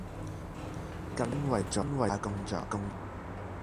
近日因為在家工作